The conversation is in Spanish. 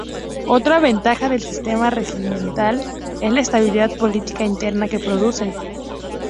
Otra ventaja del sistema regimental es la estabilidad política interna que produce.